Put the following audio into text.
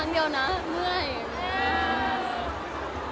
มันยอมไปตลอดไหมคะเขาบอกว่าขอแค่ครั้งเดียวนะ